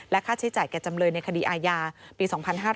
ค่าใช้จ่ายแก่จำเลยในคดีอาญาปี๒๕๕๙